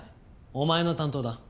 お前の担当だ。